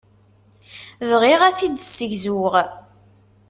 Bɣiɣ ad t-id-ssegzuɣ.